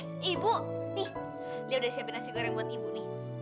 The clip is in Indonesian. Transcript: eh ibu nih dia udah siapin nasi goreng buat ibu nih